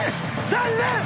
３，０００円。